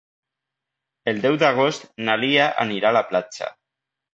El deu d'agost na Lia anirà a la platja.